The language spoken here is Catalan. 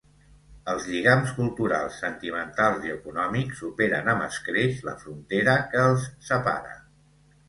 Els lligams culturals, sentimentals i econòmics superen amb escreix la frontera que els separa.